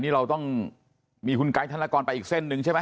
นี่เราต้องมีคุณไกด์ธนกรไปอีกเส้นหนึ่งใช่ไหม